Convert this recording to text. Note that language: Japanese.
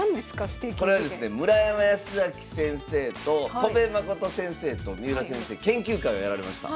これはですね村山慈明先生と戸辺誠先生と三浦先生研究会をやられました。